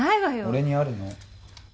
俺にあるの。